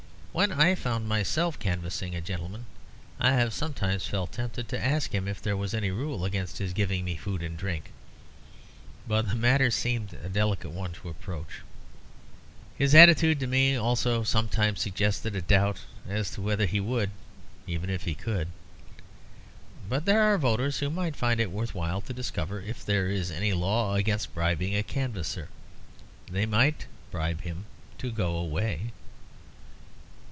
When I found myself canvassing a gentleman, I have sometimes felt tempted to ask him if there was any rule against his giving me food and drink; but the matter seemed a delicate one to approach. His attitude to me also sometimes suggested a doubt as to whether he would, even if he could. But there are voters who might find it worth while to discover if there is any law against bribing a canvasser. They might bribe him to go away.